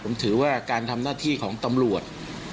ผมถือว่าการทำหน้าที่ของตำรวจ